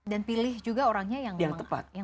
dan pilih juga orangnya yang tepat